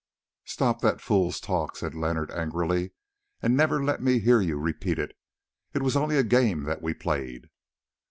"Stop that fool's talk," said Leonard angrily, "and never let me hear you repeat it. It was only a game that we played."